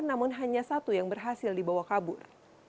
namun hanya satu yang berhasil dibawa kabur